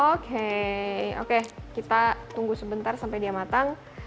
oke oke kita tunggu sebentar sampai dia matang